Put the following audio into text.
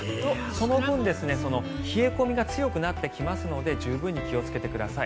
その分、冷え込みが強くなってきますので十分に気をつけてください。